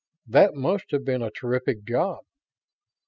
"That must have been a terrific job."